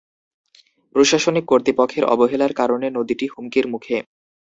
প্রশাসনিক কর্তৃপক্ষের অবহেলার কারণে নদীটি হুমকির মুখে।